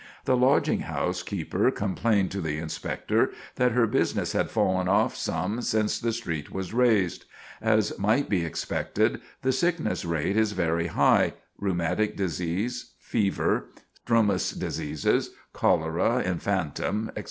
The lodging house keeper complained to the Inspector that her business had fallen off some since the street was raised. As might be expected, the sickness rate is very high; rheumatic disease, fevers, strumous diseases, cholera infantum, etc.